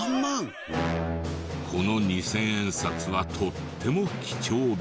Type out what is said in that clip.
この二千円札はとっても貴重で。